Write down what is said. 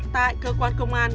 tại cơ quan công an